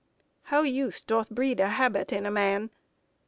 How use doth breed a habit in a man.